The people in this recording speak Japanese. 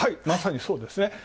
まさにそうですね。